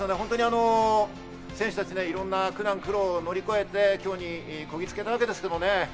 選手たち、いろんな苦難・苦悩を乗り越えて競技にこぎつけたわけですけれども。